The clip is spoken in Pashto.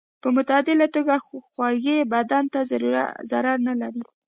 په معتدله توګه خوږې بدن ته ضرر نه لري.